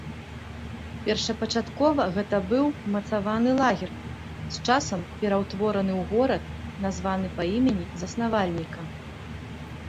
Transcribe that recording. Першапачаткова гэта быў умацаваны лагер, з часам пераўтвораны ў горад, названы па імені заснавальніка.